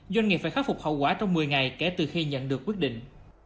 doanh nghiệp phải khắc phục hậu quả trong một mươi ngày kể từ khi nhận được quyết định